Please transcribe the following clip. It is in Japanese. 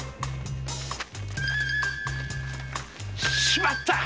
しまった。